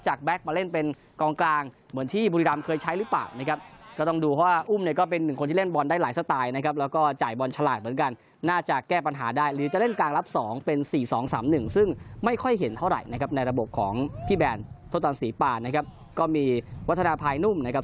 จากแบ๊กมาเล่นเป็นกลางเหมือนที่บุรีรัมป์เคยใช้หรือเปล่านะครับ